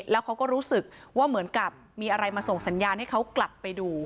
แล้วเขาก็รู้สึกว่าเหมือนกับมีอะไรมาส่งสัญญาณให้เขากลับไปดู